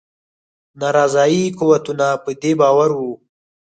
ناراضي قوتونه په دې باور وه.